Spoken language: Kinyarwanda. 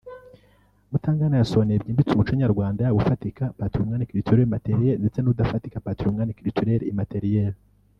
Mutangana yasobanuye byimbitse Umuco Nyarwanda yaba ufatika (patrimoine culturel matériel) ndetse n’udafatika (patrimoine culturel immatérial)